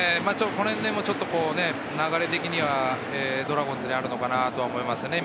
流れ的にはドラゴンズにあるのかなと思います。